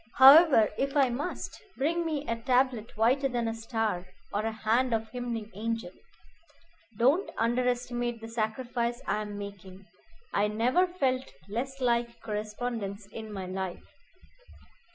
However, if I must, bring me a tablet whiter than a star, or hand of hymning angel. Don't underestimate the sacrifice I am making. I never felt less like correspondence in my life."